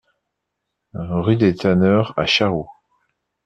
Rue des Tanneurs à Charroux